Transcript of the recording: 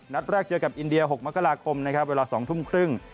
นัดแรกเจอกับอินเดีย๖มกราคม๒ทุ่มครึ่ง